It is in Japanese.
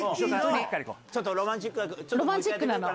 ちょっとロマンチックなの。